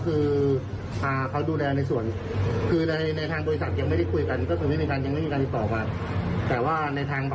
เราเลี้ยงมาพี่เลี้ยงมา